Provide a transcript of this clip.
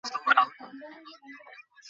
তুমি না বলেছিলে বাহিরে বের হওয়াটা এখন বিপজ্জনক!